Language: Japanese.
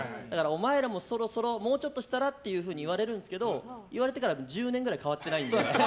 お前らもそろそろもうちょっとしたらって言われるんですけど言われてから１０年くらい変わってないんで。